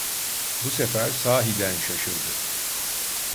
Bu sefer sahiden şaşırdı: